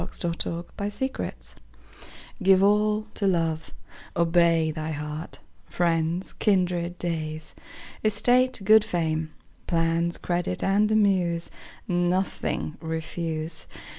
Y Z Give All to Love GIVE all to love; Obey thy heart; Friends, kindred, days, Estate, good fame, Plans, credit, and the Muse, Nothing refuse.